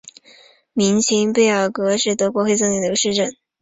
明岑贝尔格是德国黑森州的一个市镇。